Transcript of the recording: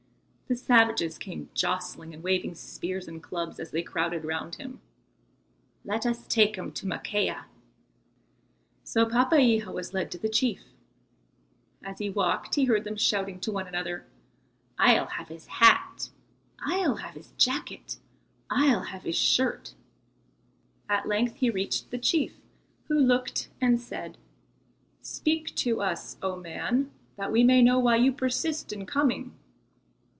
The savages came jostling and waving spears and clubs as they crowded round him. "Let us take him to Makea." So Papeiha was led to the chief. As he walked he heard them shouting to one another, "I'll have his hat," "I'll have his jacket," "I'll have his shirt." At length he reached the chief, who looked and said, "Speak to us, O man, that we may know why you persist in coming."